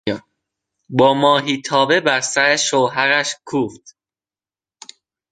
با ماهیتابه بر سر شوهرش کوفت.